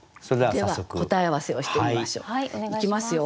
では答え合わせをしてみましょう。いきますよ。